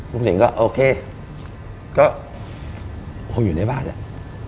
ลุงสิงห์ก็โอเคก็อยู่ในบ้านแล้ว